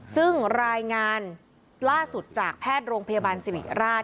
ซึ่งรายงานล่าสุดจากแพทย์โรงพยาบาลสิริราช